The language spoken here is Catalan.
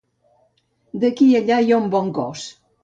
D'aquí a allà hi ha un bon cos.